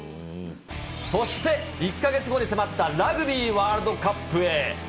そして１か月後に迫ったラグビーワールドカップへ。